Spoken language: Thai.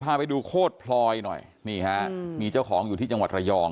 พาไปดูโคตรพลอยหน่อยนี่ฮะมีเจ้าของอยู่ที่จังหวัดระยอง